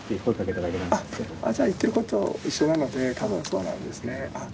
じゃあ言ってること一緒なので多分そうなんですね。